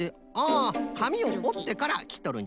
あかみをおってからきっとるんじゃな。